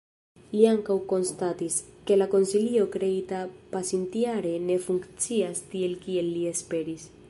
Li ankaŭ konstatis, ke la konsilio kreita pasintjare ne funkcias tiel kiel li esperis.